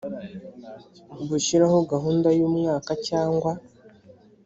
gushyiraho gahunda y umwaka cyangwa